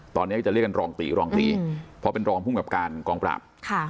ตอนนี้ก็จะเรียกกันรองตีรองตีเพราะเป็นรองภูมิกับการกองปราบ